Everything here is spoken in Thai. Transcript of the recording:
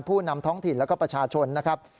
ผู้นำท้องถิ่นแล้วก็ประชาชนนะครับ